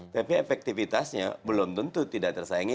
tapi efektivitasnya belum tentu tidak tersayangi